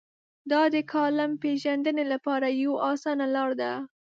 دا د کالم پېژندنې لپاره یوه اسانه لار ده.